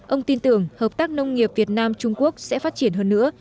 ông tin tưởng hợp tác nông nghiệp việt nam trung quốc sẽ phát triển hơn nữa